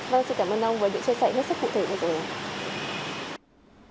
vâng xin cảm ơn ông đã chia sẻ hết sức cụ thể cho tôi